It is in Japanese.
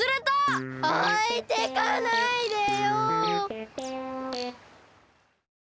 おいてかないでよ！